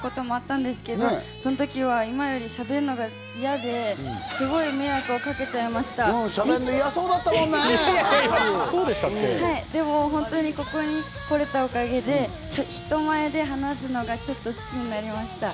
マンスリーＭＣを務めさせていただいたこともあったんですけど、その時は今より、しゃべるのが嫌で、すごく迷惑をかけちゃいしゃべるの嫌そうだったもんでも、ここに来れたおかげで、人前で話すのがちょっと好きになりました。